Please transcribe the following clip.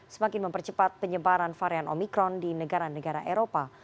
semakin mempercepat penyebaran varian omikron di negara negara eropa